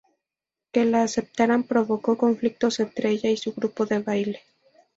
Que la aceptaran provocó conflictos entre ella y su grupo de baile.